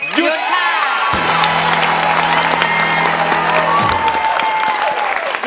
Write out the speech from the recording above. หยุดค่ะ